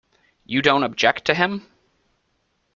You don't object to him?